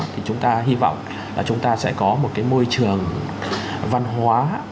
thì chúng ta hy vọng là chúng ta sẽ có một cái môi trường văn hóa